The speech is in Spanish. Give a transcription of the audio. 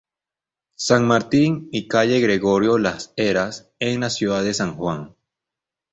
San Martín y Calle Gregorio Las Heras en la Ciudad de San Juan.